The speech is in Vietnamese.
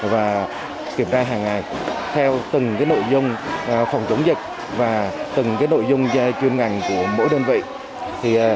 và kiểm tra hàng ngày theo từng nội dung phòng chống dịch và từng nội dung chuyên ngành của mỗi đơn vị